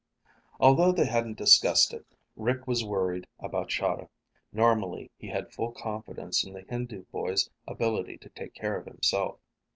Although they hadn't discussed it, Rick was worried about Chahda. Normally, he had full confidence in the Hindu boy's ability to take care of himself.